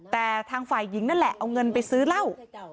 แต่ทางฝ่ายหญิงนั่นแหละเอาเงินไปซื้อเหล้า